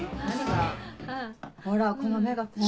ほらこの目が怖い。